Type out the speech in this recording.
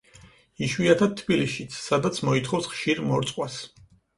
იშვიათად თბილისშიც, სადაც მოითხოვს ხშირ მორწყვას.